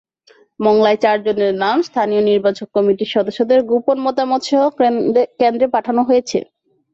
মংলায় চারজনের নাম স্থানীয় নির্বাচক কমিটির সদস্যদের গোপন মতামতসহ কেন্দ্রে পাঠানো হয়েছে।